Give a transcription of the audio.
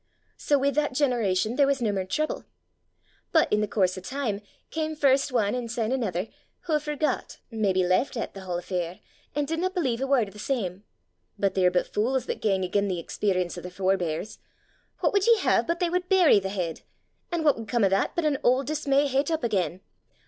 So wi' that generation there was nae mair trouble. "'But i' the coorse o' time cam first ane an' syne anither, wha forgot, maybe leuch at, the haill affair, an' didna believe a word o' the same. But they're but fules that gang again' the experrience o' their forbeirs! what wud ye hae but they wud beery the heid! An' what wud come o' that but an auld dismay het up again!